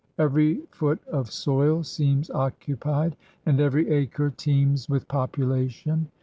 Every foot of soil seems occupied, and ever}' acre teems with population.